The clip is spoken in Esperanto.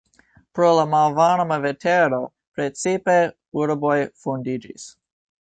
Pro la malvarma vetero precipe urboj fondiĝis.